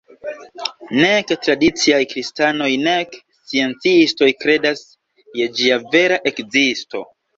Nek tradiciaj kristanoj nek sciencistoj kredas je ĝia vera ekzisto.